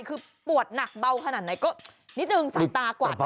คือปวดหนักเบาขนาดไหนก็นิดนึงสายตากวาด